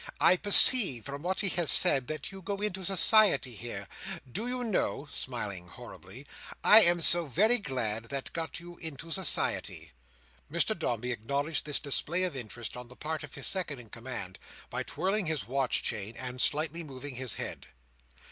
"I perceive, from what he has said, that you go into society here. Do you know," smiling horribly, "I am so very glad that you go into society!" Mr Dombey acknowledged this display of interest on the part of his second in command, by twirling his watch chain, and slightly moving his head.